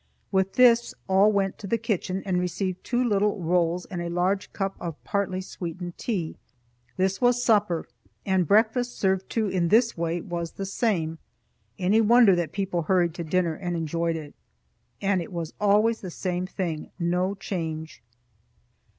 With this all went to the kitchen and received two little rolls and a large cup of partly sweetened tea. This was supper; and breakfast, served too in this way was the same. Any wonder that people hurried to dinner and enjoyed it? And it was always the same thing, no change.